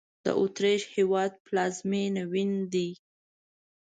د اوترېش هېواد پلازمېنه وین دی